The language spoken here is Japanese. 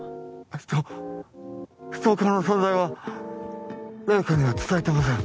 えっとストーカーの存在は零花には伝えてません。